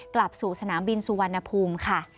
กลับสู่สนามบินสุวรรณภูมิค่ะ